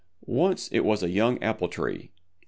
Once it was a young Apple Tree.